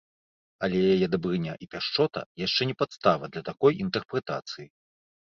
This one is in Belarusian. Але яе дабрыня і пяшчота яшчэ не падстава для такой інтэрпрэтацыі.